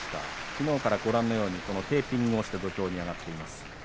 きのうからテーピングをして土俵に上がっています。